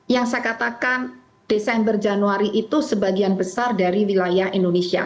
yang saya katakan desember januari itu sebagian besar dari wilayah indonesia